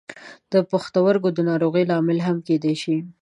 د پښتورګو د ناروغیو لامل هم کیدای شي.